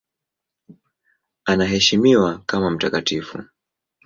Anaheshimiwa kama mtakatifu.